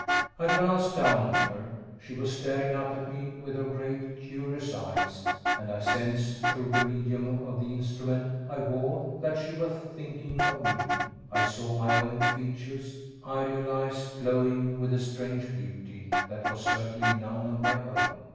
I glanced down at her. She was staring up at me with her great, curious eyes, and I sensed, through the medium of the instrument I wore, that she was thinking of me. I saw my own features, idealized, glowing with a strange beauty that was certainly none of my own.